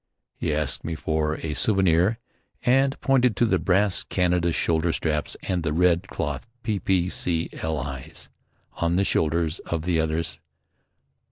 He asked me for a souvenir and pointed to the brass Canada shoulder straps and the red cloth "P. P. C. L. I.'s" on the shoulders of the others.